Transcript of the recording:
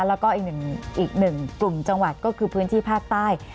แล้วก็อีกหนึ่งกลุ่มจังหวัดก็คือพื้นที่ภาคใต้